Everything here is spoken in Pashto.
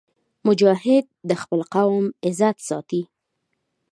مجاهد د خپل قوم عزت ساتي.